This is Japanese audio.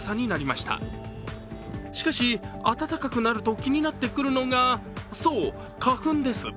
しかし、暖かくなると気になってくるのが、そう、花粉です。